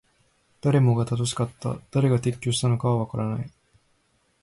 誰もが正しかった。誰が撤去したのかはわからない。